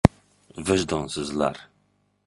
Vijdonsizlar!